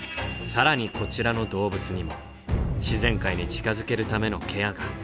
更にこちらの動物にも自然界に近づけるためのケアが。